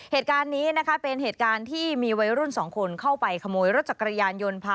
เหตุการณ์นี้นะคะเป็นเหตุการณ์ที่มีวัยรุ่นสองคนเข้าไปขโมยรถจักรยานยนต์พา